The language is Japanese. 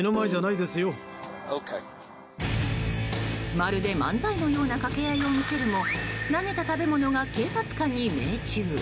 まるで漫才のような掛け合いを見せるも投げた食べ物が警察官に命中。